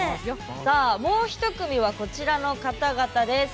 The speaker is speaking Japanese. さあもう一組はこちらの方々です。